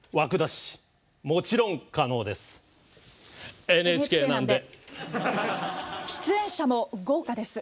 もちろん可能です。